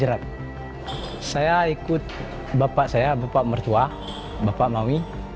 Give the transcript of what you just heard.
saya ikut bapak saya bapak mertua bapak maui